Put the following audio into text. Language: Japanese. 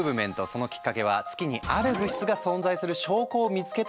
そのきっかけは月にある物質が存在する証拠を見つけたっていう研究なんだ。